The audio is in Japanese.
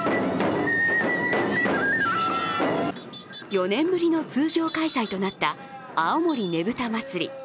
４年ぶりの通常開催となった青森ねぶた祭。